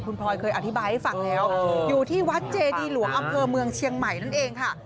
คุณพลอยเคยอธิบายให้ฟังแล้วอยู่ที่วัดเจดีหลวงอำเภอเมืองเชียงใหม่นั่นเองค่ะ